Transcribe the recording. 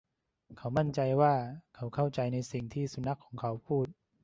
เขามั่นใจว่าเขาเข้าใจในสิ่งที่สุนัขของเขาพูด